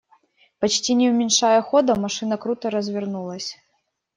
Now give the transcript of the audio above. Почти не уменьшая хода, машина круто развернулась.